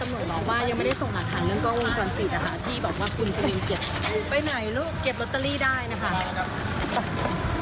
ที่บอกว่าคุณจะมิเก็บ